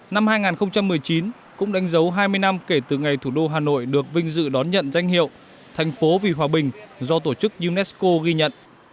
năm hai nghìn một mươi chín cũng đánh dấu hai mươi năm kể từ ngày thủ đô hà nội được vinh dự đón nhận danh hiệu thành phố vì hòa bình do tổ chức unesco ghi nhận